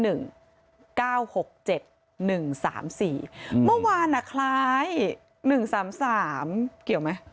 เมื่อวานคล้าย๑๓๓เกี่ยวไหม